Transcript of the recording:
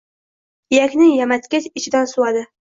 Iyakni yamatgach, ichidan suvadi.